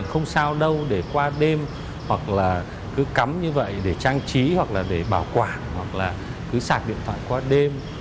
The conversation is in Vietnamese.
hoặc là cứ cắm như vậy để trang trí hoặc là để bảo quản hoặc là cứ sạc điện thoại qua đêm